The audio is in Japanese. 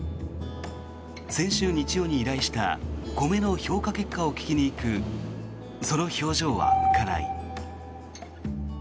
先週日曜に依頼した米の評価結果を聞きに行くその表情は浮かない。